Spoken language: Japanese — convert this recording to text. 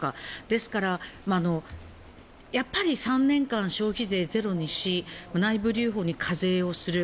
ですから、やっぱり３年間消費税をゼロにして内部留保に課税する。